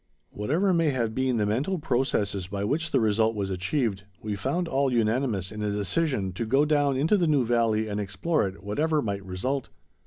Whatever may have been the mental processes by which the result was achieved, we found all unanimous in a decision to go down into the new valley and explore it, whatever might result.